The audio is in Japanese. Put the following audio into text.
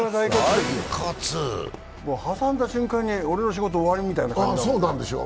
挟んだ瞬間に俺の仕事終わりみたいなことでしょ？